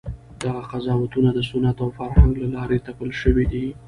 دغه قضاوتونه د سنت او فرهنګ له لارې تپل شوي دي.